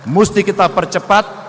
mesti kita percepat